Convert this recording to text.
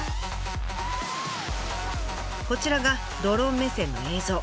こちらがドローン目線の映像。